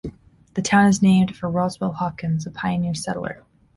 The town is named for Roswell Hopkins, a pioneer settler.